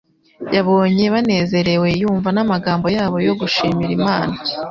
yabonye banezerewe, yumva n'amagambo yabo yo gushimira Imana,